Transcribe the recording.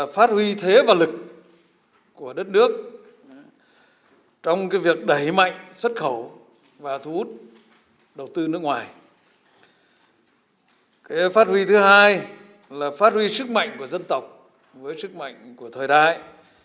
phát huy thứ hai là phát huy sức mạnh của dân tộc với sức mạnh của thời đại